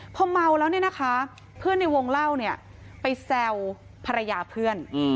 พอเมาแล้วเนี่ยนะคะเพื่อนในวงเล่าเนี่ยไปแซวภรรยาเพื่อน